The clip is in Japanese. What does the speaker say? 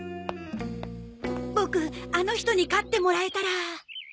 ボクあの人に飼ってもらえたら。